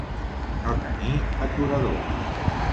No tenir aturador.